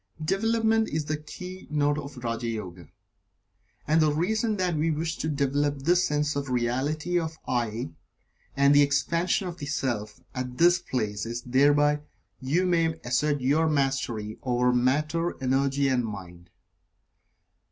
Development is the keynote of Raja Yoga. And the reason that we wish to develop this sense of the Reality of the "I," and the Expansion of the Self, at this place is that thereby you may assert your Mastery over Matter, Energy and Mind.